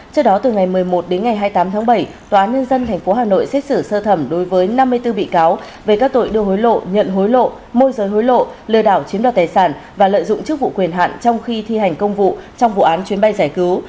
trước đó từ ngày một mươi một đến ngày hai mươi tám tháng bảy tòa nhân dân tp hà nội xét xử sơ thẩm đối với năm mươi bốn bị cáo về các tội đưa hối lộ nhận hối lộ môi giới hối lộ lừa đảo chiếm đoạt tài sản và lợi dụng chức vụ quyền hạn trong khi thi hành công vụ trong vụ án chuyến bay giải cứu